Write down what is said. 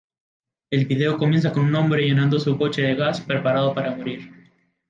El vídeo comienza con un hombre llenando su coche de gas preparado para morir.